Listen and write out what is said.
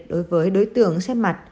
đối với đối tượng xét mặt